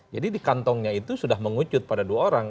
jadi di kantongnya itu sudah mengucut pada dua orang